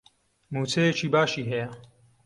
مووچەیەکی باشی هەیە.